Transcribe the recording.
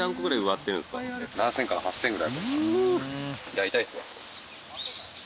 大体ですよ。